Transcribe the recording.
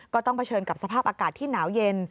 ต้องเผชิญกับสภาพอากาศที่หนาวเย็น